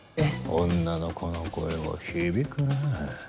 女の子の声は響くねぇ。